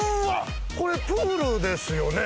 これプールですよね？